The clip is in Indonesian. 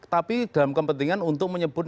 tapi dalam kepentingan untuk menyebut